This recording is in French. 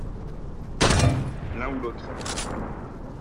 L’un ou l’autre.